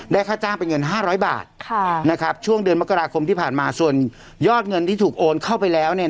ได้ค่าจ้างเป็นเงินห้าร้อยบาทค่ะนะครับช่วงเดือนมกราคมที่ผ่านมาส่วนยอดเงินที่ถูกโอนเข้าไปแล้วเนี่ย